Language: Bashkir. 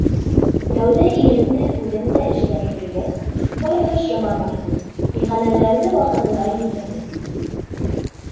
Тәүҙә ирем дә, үҙем дә эшләп йөрөгәс, барыһы шыма барҙы, иғәнәләрҙе ваҡытында индерҙек.